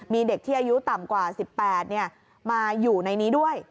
มีเด็กที่อายุต่ำกว่า๑๘มาอยู่ในนี้ด้วย